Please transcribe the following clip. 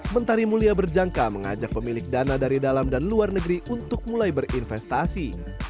mentari mulia berjangka mengajak pemilik dana dari dalam dan luar negeri untuk mulai berinvestasi